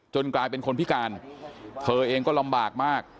กลายเป็นคนพิการเธอเองก็ลำบากมาก